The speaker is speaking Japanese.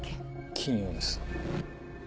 金曜です。